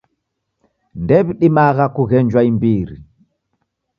Ndew'idimagha kughenjwa imbiri.